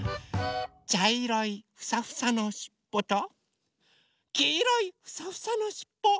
ちゃいろいフサフサのしっぽときいろいフサフサのしっぽ。